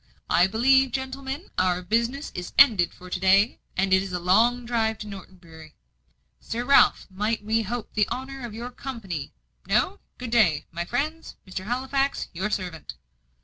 "I believe, gentlemen, our business is ended for to day, and it is a long drive to Norton Bury. Sir Ralph, might we hope for the honour of your company? No? Good day, my friends. Mr. Halifax, your servant."